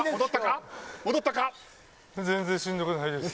全然しんどくないです。